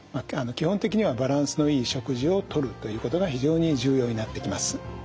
基本的にはバランスのいい食事をとるということが非常に重要になってきます。